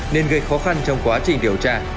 nên gây khó khăn trong quá trình điều tra